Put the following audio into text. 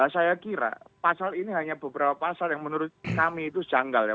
saya kira pasal ini hanya beberapa pasal yang menurut kami itu janggal ya